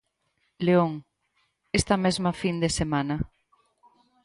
León, esta mesma fin de semana.